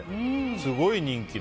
すごい人気で。